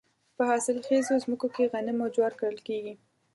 په حاصل خیزو ځمکو کې غنم او جوار کرل کیږي.